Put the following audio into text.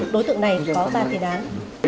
đối tượng này có ba thi đán